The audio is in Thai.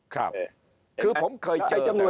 คือผมเคยเจอแต่ว่า